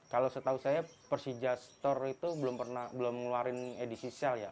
kalau setahu saya persija store itu belum ngeluarin edisi syal ya